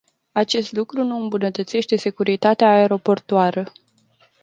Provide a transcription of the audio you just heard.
Acest lucru nu îmbunătățește securitatea aeroportuară.